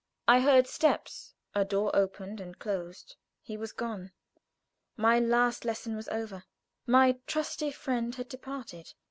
I heard steps; a door opened and closed. He was gone! My last lesson was over. My trusty friend had departed.